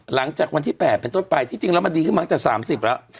หลังจากวันที่๘เป็นต้นไปที่จริงแล้วมันดีขึ้นมาตั้งแต่๓๐แล้ว